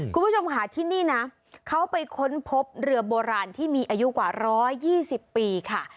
คุณผู้ชมค่ะที่นี่นะเขาไปค้นพบเรือโบราณที่มีอายุกว่า๑๒๐ปีค่ะ